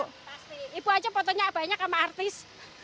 pasti ibu aja fotonya banyak sama artis